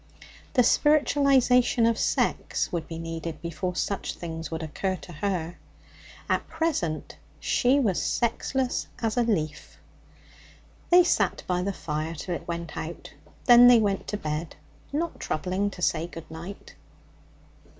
The spiritualization of sex would be needed before such things would occur to her. At present she was sexless as a leaf. They sat by the fire till it went out; then they went to bed, not troubling to say good night.